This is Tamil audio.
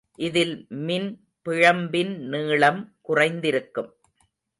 இதில் மின்பிழம்பின் நீளம் குறைந்திருக்கும்.